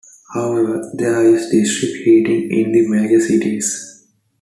However, there is district heating in the major cities.